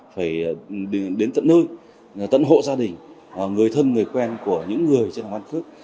phải đến tận nơi tận hộ gia đình người thân người quen của những người trên hồ sơ